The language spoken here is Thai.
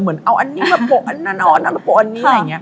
เหมือนเอาอันนี้มาปกอันนั้นเอาอันนั้นมาปกอันนี้